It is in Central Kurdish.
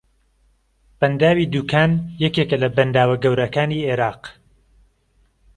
بەنداوی دووکان یەکێکە لە بەنداوە گەورەکانی عێراق